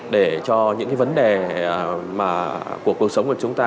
để cho những vấn đề của cuộc sống của chúng ta